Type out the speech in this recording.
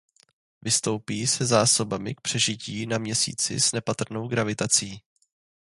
Vystoupí se zásobami k přežití na měsíci s nepatrnou gravitací.